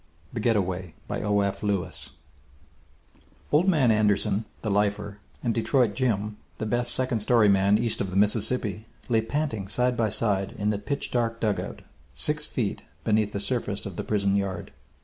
THE GETAWAY By O.F. LEWIS From Red Book Old Man Anderson, the lifer, and Detroit Jim, the best second story man east of the Mississippi, lay panting side by side in the pitch dark dugout, six feet beneath the surface of the prison yard.